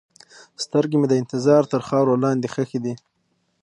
سترګې مې د انتظار تر خاورو لاندې ښخې دي.